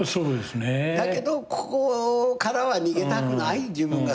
だけどここからは逃げたくない自分がそこにいつもいる。